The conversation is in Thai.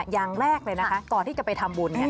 อย่างแรกเลยก่อนที่จะไปทำบุญ